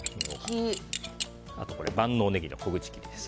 あと、万能ネギの小口切りです。